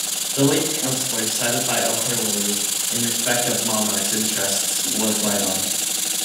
The lead councillor cited by O'Herlihy in respect of Monarch's interests was Lydon.